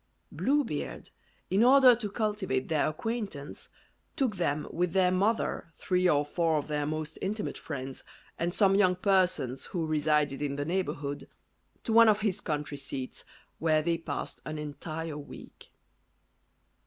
Blue Beard, in order to cultivate their acquaintance, took them, with their mother, three or four of their most intimate friends, and some young persons who resided in the neighbourhood, to one of his country seats, where they passed an entire week.